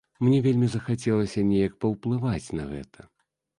Мне вельмі захацелася неяк паўплываць на гэта.